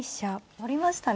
寄りましたね。